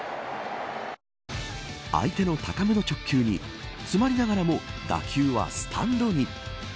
相手の高めの直球に詰まりながらも打球はスタンドに。